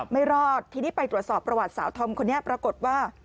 ไม่รอดทีนี้ไปตรวจสอบประวัติสาวธอมคนนี้ปรากฏว่า